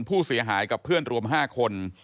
ผู้เสียหายกับเพื่อนรวม๕คน